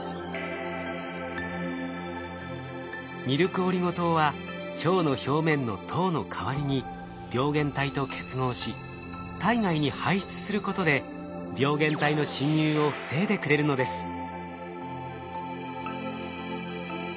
ミルクオリゴ糖は腸の表面の糖の代わりに病原体と結合し体外に排出することで病原体の侵入を防いでくれるのです。